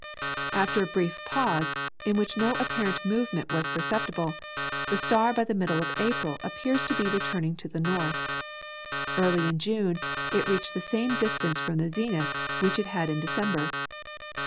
After a brief pause, in which no apparent movement was perceptible, the star by the middle of April appeared to be returning to the north. Early in June it reached the same distance from the zenith which it had in December.